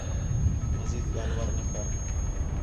مزید ڳالھ وار نہ کر